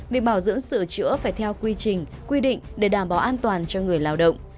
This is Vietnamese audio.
việc bảo dưỡng sửa chữa phải theo quy trình quy định để đảm bảo an toàn cho người lao động